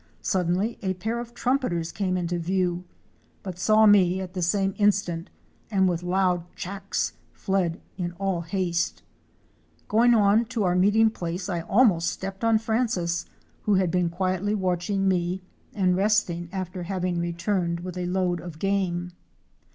Suddenly a pair of Trumpeters * came into view, but saw me at the same in stant, and with loud chacks! fled in all haste. Going on to our meeting place I almost stepped on Francis, who had JUNGLE LIFE AT AREMU. 339 been quietly watching me and resting after having returned with a load of game.